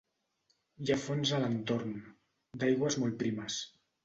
Hi ha fonts a l'entorn, d'aigües molt primes.